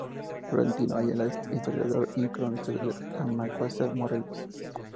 Florentino Ayala, historiador y cronista de Amacuzac Morelos.